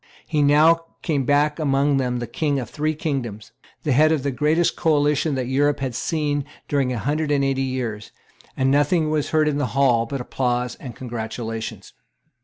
He now came back among them the King of three kingdoms, the head of the greatest coalition that Europe had seen during a hundred and eighty years; and nothing was heard in the hall but applause and congratulations.